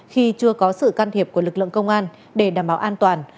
khi chưa có sự can thiệp của lực lượng công an để đảm bảo an toàn